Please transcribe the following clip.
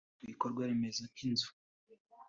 Ibikorwa remezo nk’inzu